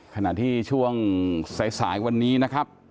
ขณะที่ช่วงสายวันนี้นะครับ